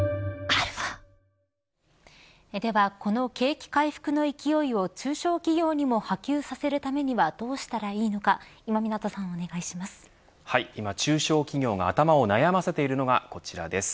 では、この景気回復の勢いを中小企業にも波及させるためにはどうしたらいいのか今、中小企業が頭を悩ませているのがこちらです。